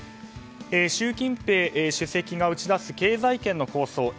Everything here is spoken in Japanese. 習近平主席が打ち出す経済圏の構想